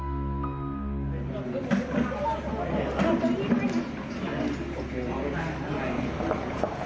ราดีการปลอดภัย